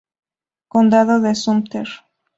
Condado de Sumter